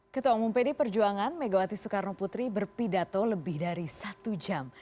ketua umum pd perjuangan megawati soekarno putri berpidato lebih dari satu jam